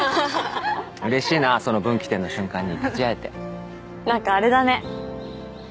はっうれしいなその分岐点の瞬間に立ち会えてなんかあれだね